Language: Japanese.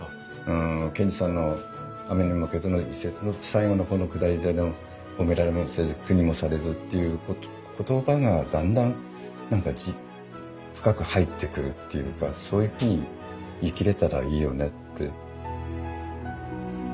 うん賢治さんの「雨ニモマケズ」の一節の最後の方のくだりでの「ホメラレモセズクニモサレズ」っていう言葉がだんだん何か深く入ってくるっていうかそういうふうに生きれたらいいよねって。